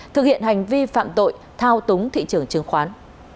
thực hiện hành vi phạm tội thao túng thị trường chứng khoán